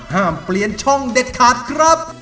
ห้ามเปลี่ยนช่องเด็ดขาดครับ